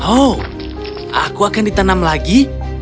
oh aku akan ditanam lagi